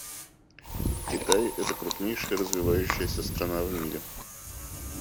Китай — это крупнейшая развивающаяся страна в мире.